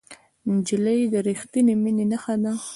نجلۍ د رښتینې مینې نښه ده.